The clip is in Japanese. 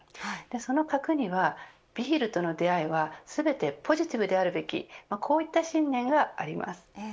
その核にはビールとの出会いは全てポジティブであるべきこういった信念があります。